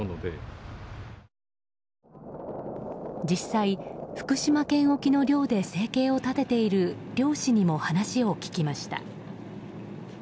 実際、福島県沖の漁で生計を立てている漁師にも話を聞きました。